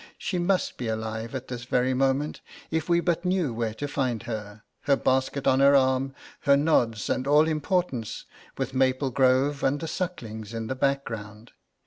she must be alive at this very moment, if we but knew where to find her, her basket on her arm, her nods and all importance, with Maple Grove and the Sucklings in the background.